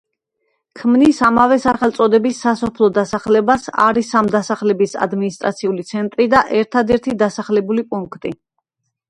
ქმნის ამავე სახელწოდების სასოფლო დასახლებას, არის ამ დასახლების ადმინისტრაციული ცენტრი და ერთადერთი დასახლებული პუნქტი.